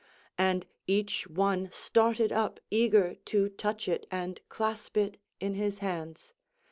And each one started up eager to touch it and clasp it in his hands.